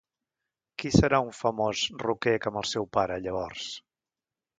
Qui serà un famós rocker com el seu pare, llavors?